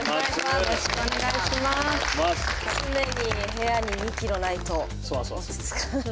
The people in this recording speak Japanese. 常に部屋に２キロないと落ち着かない。